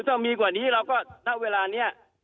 ถ้ามีกว่านี้เราก็ณเวลานี้